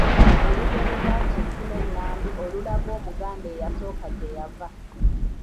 Olugero lwa Kintu ne Nnambi olulaga Omuganda eyasooka gye yava.